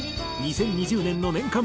２０２０年の年間